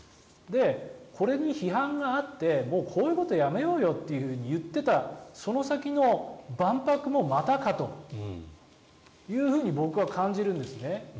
これに批判があってこういうことをやめようよって言っていたその先の万博もまたかというふうに僕は感じるんですね。